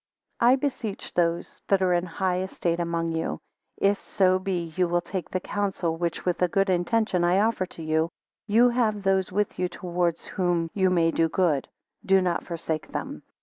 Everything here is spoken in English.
9 I beseech those that are in high estate among you, (if so be you will take the counsel which with a good intention I offer to you,) you have those with you towards whom you may do good; do not forsake them.